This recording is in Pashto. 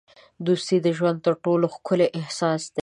دوستي د ژوند تر ټولو ښکلی احساس دی.